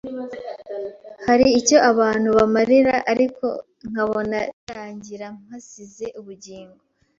hari icyo abantu bamarira ariko nkabona birarangira mpasize ubugingo